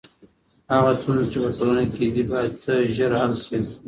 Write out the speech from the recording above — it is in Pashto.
هغه ستونزي چي په ټولنه کي دي باید ژر حل سي.